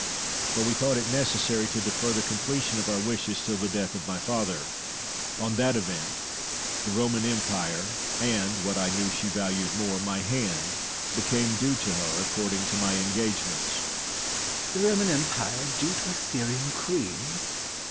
But we thought it necessary to defer the completion of our wishes till the death of my father. On that event the Roman Empire and (what I knew she valued more) my hand became due to her, according to my engagements. Scipio. The Roman Empire due to a Syrian queen!